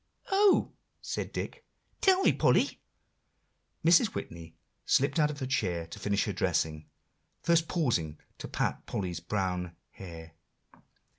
"Oh!" said Dick; "tell me, Polly." Mrs. Whitney slipped out of her chair to finish her dressing, first pausing to pat Polly's brown hair.